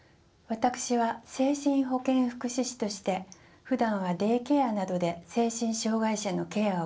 私は精神保健福祉士としてふだんはデイケアなどで精神障がい者のケアを行う仕事をしています。